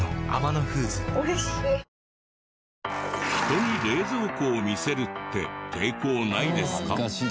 人に冷蔵庫を見せるって抵抗ないですか？